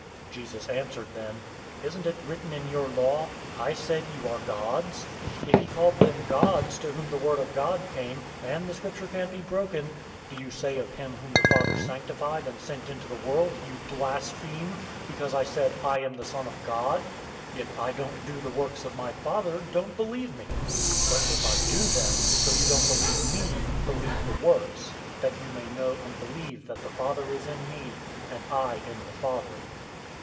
010:034 Jesus answered them, "Isn't it written in your law, 'I said, you are gods?'{Psalm 82:6} 010:035 If he called them gods, to whom the word of God came (and the Scripture can't be broken), 010:036 do you say of him whom the Father sanctified and sent into the world, 'You blaspheme,' because I said, 'I am the Son of God?' 010:037 If I don't do the works of my Father, don't believe me. 010:038 But if I do them, though you don't believe me, believe the works; that you may know and believe that the Father is in me, and I in the Father."